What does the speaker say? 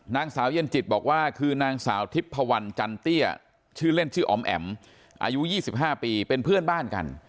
นางสาวเย็นจิตบอกว่าคือนางสาวทิพพวันจันเตี้ยชื่อเล่นชื่อออมแอ๋มอายุ๒๕ปีเป็นเพื่อนบ้านกัน